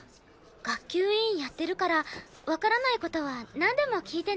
学級委員やってるからわからない事はなんでも聞いてね。